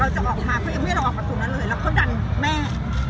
จะออกมาไม่รอขนาดนั้นเลยแล้วเขาดันแม่